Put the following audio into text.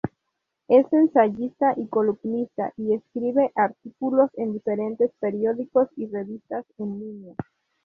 Es ensayista y columnista y escribe artículos en diferentes periódicos y revistas en línea.